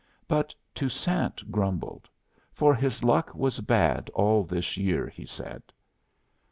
But Toussaint grumbled, for his luck was bad all this year, he said.